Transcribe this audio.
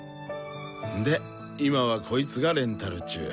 で今はこいつがレンタル中。